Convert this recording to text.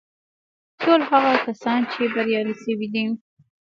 ټول هغه کسان چې بريالي شوي دي.